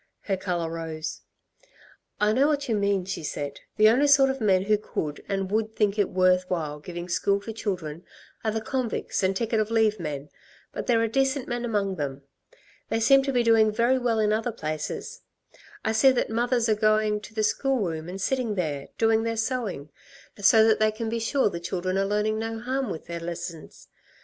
Her colour rose. "I know what you mean," she said. "The only sort of men who could and would think it worth while giving school to children are the convicts and ticket of leave men; but there are decent men among them. They seem to be doing very well in other places. I see that mothers are going to the school room and sitting there, doing their sewing, so that they can be sure the children are learning no harm with their lessons.